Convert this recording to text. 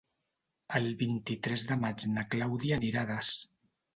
El vint-i-tres de maig na Clàudia anirà a Das.